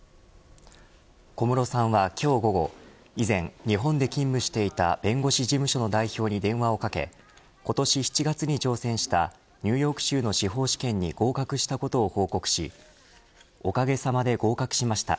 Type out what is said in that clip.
小室さんは、今日午後以前、日本で勤務していた弁護士事務所の代表に電話をかけ、今年７月に挑戦したニューヨーク州の司法試験に合格したことを報告しおかげさまで合格しました。